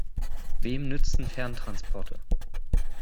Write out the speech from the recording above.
Wem nützen Ferntransporte?